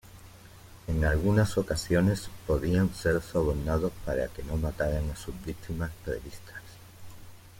En algunas ocasiones, podían ser sobornados para que no mataran a sus víctimas previstas.